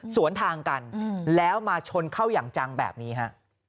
สวนทางกันแล้วมาชนเข้าอย่างจังแบบนี้ฮะ